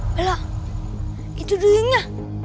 bela itu duitnya